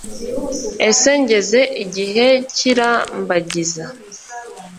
Ese ngeze igihe cy irambagiza